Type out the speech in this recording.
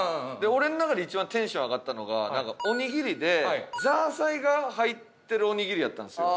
俺の中で一番テンション上がったのがおにぎりでザーサイが入ってるおにぎりやったんですよ。